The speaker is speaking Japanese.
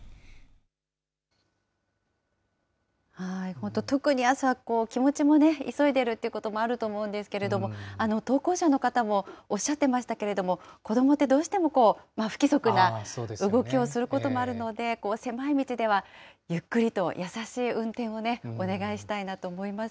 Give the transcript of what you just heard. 本当、特に朝、気持ちも急いでいるということもあると思うんですけれども、投稿者の方もおっしゃってましたけれども、子どもってどうしても不規則な動きをすることもあるので、狭い道ではゆっくりと優しい運転をお願いしたいなと思います。